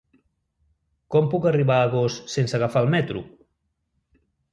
Com puc arribar a Agost sense agafar el metro?